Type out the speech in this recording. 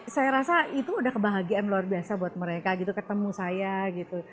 saya rasa itu udah kebahagiaan luar biasa buat mereka gitu ketemu saya gitu